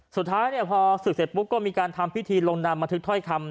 สุดท้ายพอศึกเสร็จปุ๊บก็มีการทำพิธีลงนามบันทึกถ้อยคำ